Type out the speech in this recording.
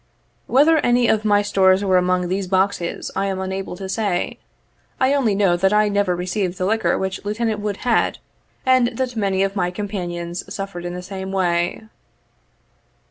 Whether any of my stores were among these boxes, I am unable to say. I only know that I never received the liquor which Lieutenant Wood had, and that many of my companions suffered in the same way.